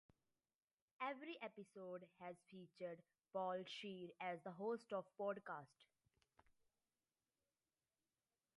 Every episode has featured Paul Scheer as the host of the podcast.